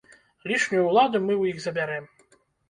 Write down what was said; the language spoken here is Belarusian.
Лішнюю ўладу мы ў іх забярэм.